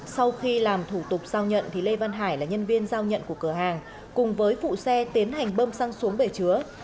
sau khi làm thủ tục giao nhận lê văn hải là nhân viên giao nhận của cửa hàng cùng với phụ xe tiến hành bơm xăng xuống bể chứa